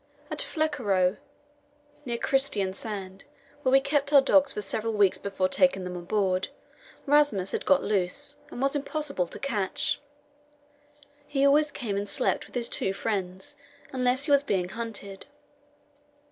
At Flekkerö, near Christiansand, where we kept our dogs for several weeks before taking them on board, Rasmus had got loose, and was impossible to catch. He always came and slept with his two friends, unless he was being hunted.